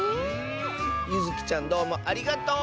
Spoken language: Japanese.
ゆずきちゃんどうもありがとう！